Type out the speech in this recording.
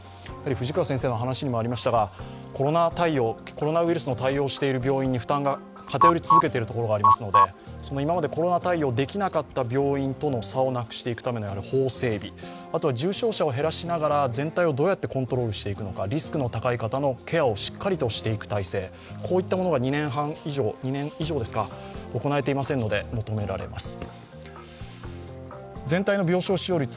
藤倉先生の話にもありましたが、コロナウイルスに対応している病院に負担が偏り続けているところがありますので、今までコロナ対応ができなかった病院との差をなくしていくための法整備、あとは重症者を減らしながら全体をどうやってコントロールしていくのか、リスクの高い方のケアをしっかりとしていく態勢、こういったものが２年以上、行えていませんので求められます。